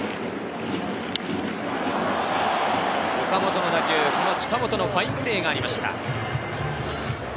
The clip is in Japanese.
岡本の打球、近本のファインプレーがありました。